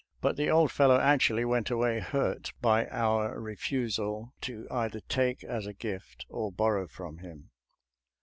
But the old fellow actually went away hurt by our refusal to either take as a gift or borrow from him.